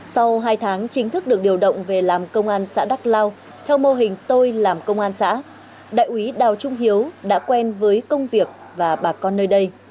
sau hai tháng chính thức được điều động về làm công an xã đắk lao theo mô hình tôi làm công an xã đại úy đào trung hiếu đã quen với công việc và bà con nơi đây